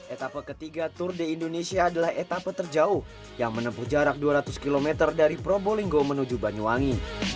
etapa ketiga tour de indonesia adalah etapa terjauh yang menempuh jarak dua ratus km dari probolinggo menuju banyuwangi